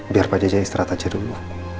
biar pak jaja istirahat aja dulu